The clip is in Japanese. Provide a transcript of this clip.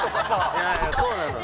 いやいやそうなのよ。